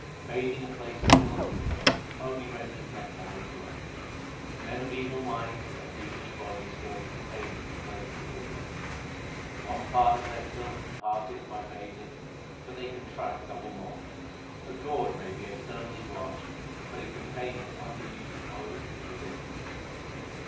Bathing at places of pilgrimage only renders men more impure : Men of evil minds and thievish bodies go to bathe at places of pilgrimage. One part of their filth departeth by bathing, but they con tract double more. 1 A gourd may be externally washed, but it containeth undiluted poison within.